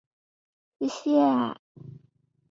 圣梅斯曼人口变化图示